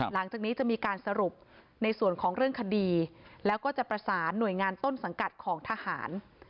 หลังจากนี้จะมีการสรุปในส่วนของเรื่องคดีแล้วก็จะประสานหน่วยงานต้นสังกัดของทหาร